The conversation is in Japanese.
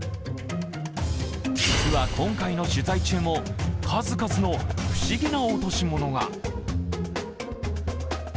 実は今回の取材中も、数々の不思議な落とし物が。